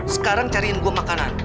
sekarang cariin gue makanan